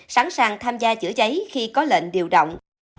sẵn sàng tham gia chữa cháy khi có lệnh điều động